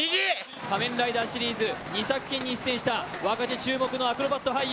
「仮面ライダー」シリーズ２作品に出演した、若手注目のアクロバット俳優。